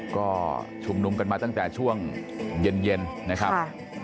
ก็ชุมนุมกันมาตั้งแต่ช่วงเย็นนะครับ